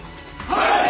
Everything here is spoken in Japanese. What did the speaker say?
はい。